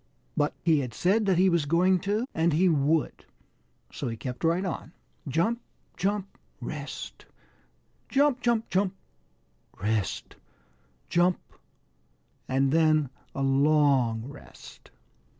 But he had said that he was going to and he would, so he kept right on jump, jump, rest, jump, jump, jump, rest, jump, and then a long rest.